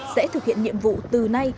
sẽ thực hiện nhiệm vụ từ nay